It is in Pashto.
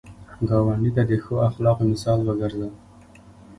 ګاونډي ته د ښه اخلاقو مثال وګرځه